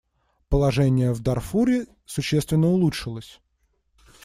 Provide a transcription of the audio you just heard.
Положение в Дарфуре существенно улучшилось.